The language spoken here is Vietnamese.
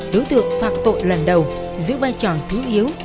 đối tượng phạm tội lần đầu giữ vai trò thứ yếu